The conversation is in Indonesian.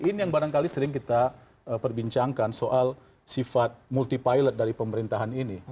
ini yang barangkali sering kita perbincangkan soal sifat multi pilot dari pemerintahan ini